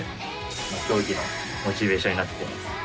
競技のモチベーションになってます。